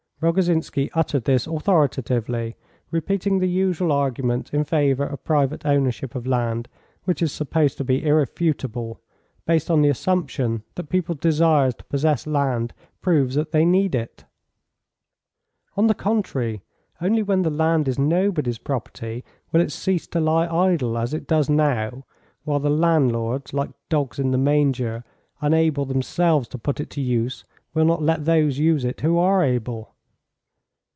Rogozhinsky uttered this authoritatively, repeating the usual argument in favour of private ownership of land which is supposed to be irrefutable, based on the assumption that people's desire to possess land proves that they need it. "On the contrary, only when the land is nobody's property will it cease to lie idle, as it does now, while the landlords, like dogs in the manger, unable themselves to put it to use, will not let those use it who are able."